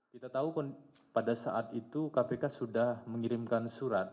kita tahu pada saat itu kpk sudah mengirimkan surat